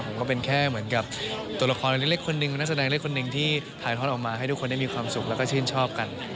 ผมก็เป็นแค่เหมือนกับตัวละครเล็กคนหนึ่งนักแสดงเล็กคนหนึ่งที่ถ่ายทอดออกมาให้ทุกคนได้มีความสุขแล้วก็ชื่นชอบกัน